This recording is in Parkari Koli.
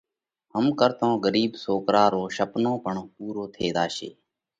هم ڪرتون ڳرِيٻ سوڪرا رو شپنو پڻ پُورو ٿي زاشي۔